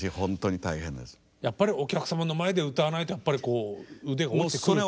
やっぱりお客さまの前で歌わないとやっぱりこう腕が落ちてくると。